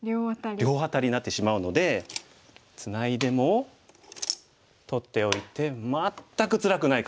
両アタリになってしまうのでツナいでも取っておいて全くつらくない格好になります。